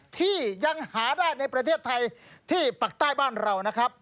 ที่ยังหาได้ในประเทศไทยที่ปักใต้บ้านเรานะครับ